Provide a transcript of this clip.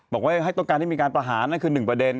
บอกว่าให้ต้องการให้มีการประหารนั่นคือ๑ประเด็น